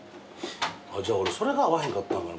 じゃあ俺それが合わへんかったんかな。